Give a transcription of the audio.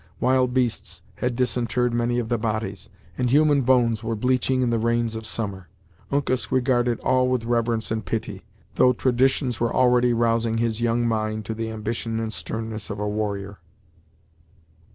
Wild beasts had disinterred many of the bodies, and human bones were bleaching in the rains of summer. Uncas regarded all with reverence and pity, though traditions were already rousing his young mind to the ambition and sternness of a warrior.